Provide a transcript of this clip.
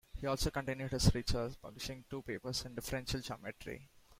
He also continued his research, publishing two papers in differential geometry.